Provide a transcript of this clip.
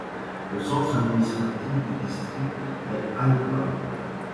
Le centre administratif du district est Al-Bab.